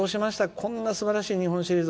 こんなすばらしい日本シリーズ